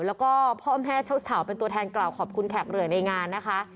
แล้วก็พ่อแม่เจ้าสาวเป็นตัวแทนกล่าวขอบคุณแขกเหลือในงานนะคะ